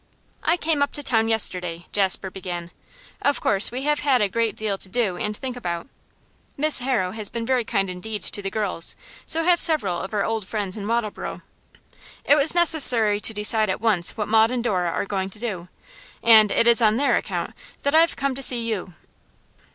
'I came up to town yesterday,' Jasper began. 'Of course we have had a great deal to do and think about. Miss Harrow has been very kind indeed to the girls; so have several of our old friends in Wattleborough. It was necessary to decide at once what Maud and Dora are going to do, and it is on their account that I have come to see you.